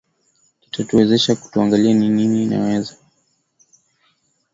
kitatuwezesha tuangalie ni nini inaweza